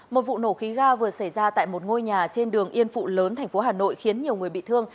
một vụ nổ khí ga vừa xảy ra tại một ngôi nhà trên đường yên phụ lớn thành phố hà nội khiến nhiều người bị thương